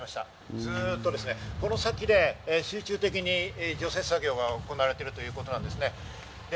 ずっとですね、この先で集中的に除雪作業が行われているということなんですね。